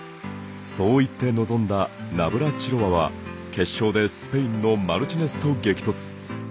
そう言って臨んだナブラチロワは決勝でスペインのマルチネスと激突。